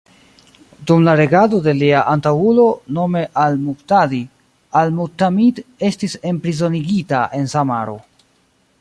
Dum la regado de lia antaŭulo, nome al-Muhtadi, al-Mu'tamid estis enprizonigita en Samaro.